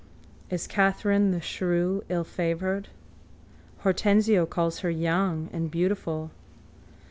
Is Katharine the shrew illfavoured? Hortensio calls her young and beautiful.